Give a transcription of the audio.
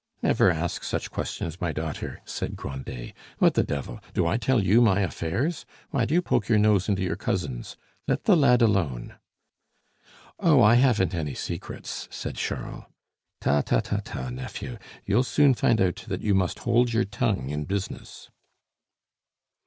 "Never ask such questions, my daughter," said Grandet. "What the devil! do I tell you my affairs? Why do you poke your nose into your cousin's? Let the lad alone!" "Oh! I haven't any secrets," said Charles. "Ta, ta, ta, ta, nephew; you'll soon find out that you must hold your tongue in business."